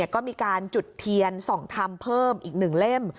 ก็มีการจุดเทียนส่องธรรมเพิ่มอีก๑เล่ม